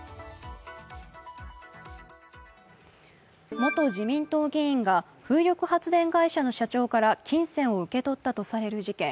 元自民党議員が風力発電会社の社長から金銭を受け取ったとされる事件。